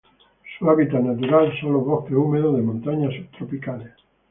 Su hábitat natural son los bosques húmedos de montaña subtropicales.